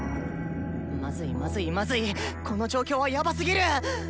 まずいまずいまずいこの状況はヤバすぎる！